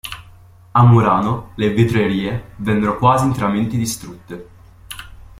A Murano le vetrerie vennero quasi interamente distrutte.